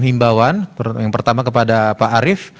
himbawan yang pertama kepada pak arief